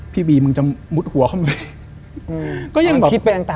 พี่บีมึงจะมุดหัวเข้ามาไป